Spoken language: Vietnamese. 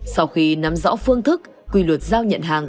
sau khi nắm rõ phương thức quy luật giao nhận hàng